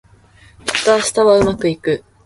きっと明日はうまくいく